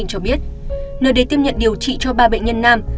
cho biết nơi để tiếp nhận điều trị cho ba bệnh nhân nam